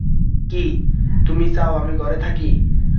কি, তুমি চাও আমি ঘরে থাকি?